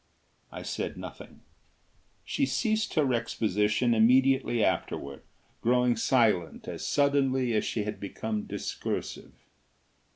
I said nothing. She ceased her exposition immediately afterward, growing silent as suddenly as she had become discoursive.